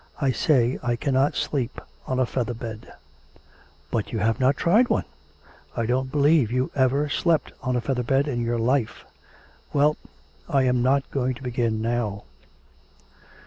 I say I cannot sleep on a feather bed ' 'But you have not tried one; I don't believe you ever slept on a feather bed in your life.' 'Well, I am not going to begin now.'